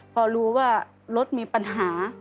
พอรู้ว่ารถมีปัญหา